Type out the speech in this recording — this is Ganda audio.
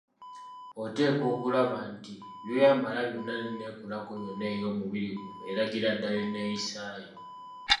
Oteekwa okulaba nti by'oyambala byonna n‘enneekolako yonna ey‘omubiri gwo eragira ddala enneeyisaayo.